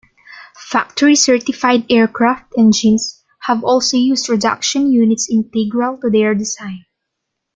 Factory certified aircraft engines have also used reduction units integral to their design.